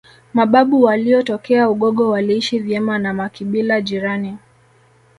Mababu waliotokea Ugogo waliishi vyema na makibila jirani